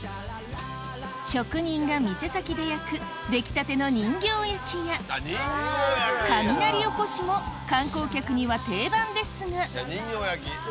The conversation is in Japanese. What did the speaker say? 職人が店先で焼く出来たての人形焼や雷おこしも観光客には定番ですが人形焼！